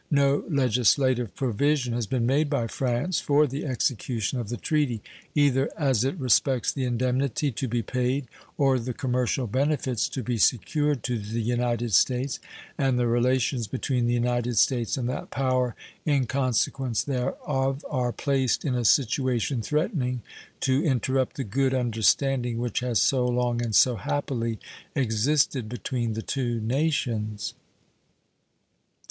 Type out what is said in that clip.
No legislative provision has been made by France for the execution of the treaty, either as it respects the indemnity to be paid or the commercial benefits to be secured to the United States, and the relations between the United States and that power in consequence thereof are placed in a situation threatening to interrupt the good understanding which has so long and so happily existed between the two nations.